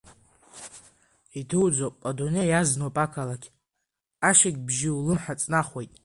Идуӡӡоуп, адунеи иазноуп ақалақь, ашыкьбжьы улымҳа ҵнахуеит.